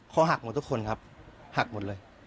คอหักหมดทุกคนครับหักหมดเลย